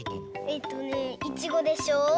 えっとねいちごでしょ。